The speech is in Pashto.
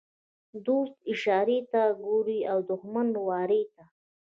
ـ دوست اشارې ته ګوري او دښمن وارې ته.